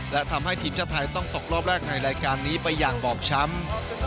และทำให้ทีมชาติไทยต้องตกรอบแรกในรายการนี้ไปอย่างบอบช้ำ